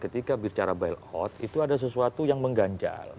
ketika bicara bail out itu ada sesuatu yang mengganjal